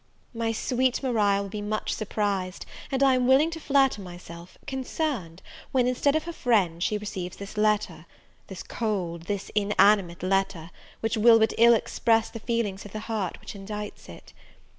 MY Sweet Maria will be much surprised, and I am willing to flatter myself, concerned, when, instead of her friend, she receives this letter; this cold, this inanimate letter, which will but ill express the feelings of the heart which indites it.